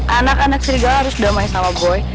anak anak serigala harus damai sama gue